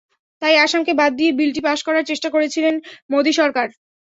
তাই আসামকে বাদ দিয়েই বিলটি পাস করার চেষ্টা করেছিল মোদির সরকার।